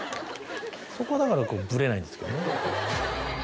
そこはだからブレないんですけどね。